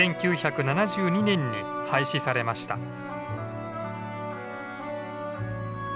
１９７２年に廃止されました。